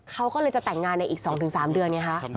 เขาก็เลยจะแต่งงานในอีก๒๓เดือนไงคะ